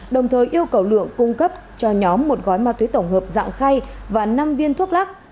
đồng thời yêu cầu lượng cung cấp cho nhóm một gói ma túy tổng hợp dạng khay và năm viên thuốc lắc